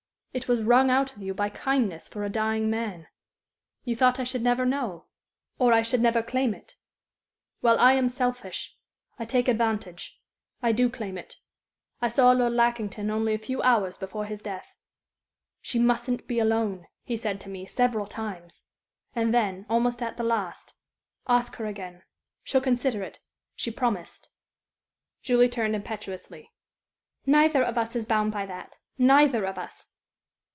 "It was wrung out of you by kindness for a dying man. You thought I should never know, or I should never claim it. Well, I am selfish. I take advantage. I do claim it. I saw Lord Lackington only a few hours before his death. 'She mustn't be alone,' he said to me, several times. And then, almost at the last, 'Ask her again. She'll consider it she promised.'" Julie turned impetuously. "Neither of us is bound by that neither of us."